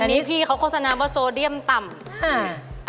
อันนี้พี่เขาโฆษณาว่าโซเดียมต่ำ